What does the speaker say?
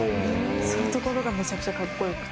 そういうところがめちゃくちゃ格好良くて。